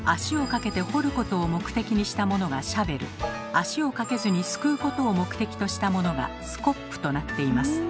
足をかけずにすくうことを目的としたものが「スコップ」となっています。